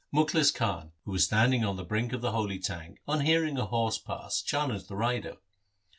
Mukhlis Khan, who was standing on the brink of the holy tank, on hearing a horse pass, challenged the rider.